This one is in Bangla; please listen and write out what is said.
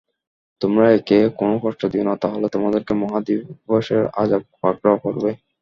তোমরা একে কোন কষ্ট দিও না, তাহলে তোমাদেরকে মহা দিবসের আযাব পাকড়াও করবে।